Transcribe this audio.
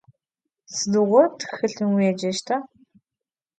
Sıdiğo txılhım vuêceşta?